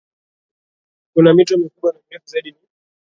Kuna mito mikubwa na mirefu zaidi ni